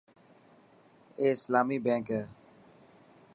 اي اسلامي بينڪ هي .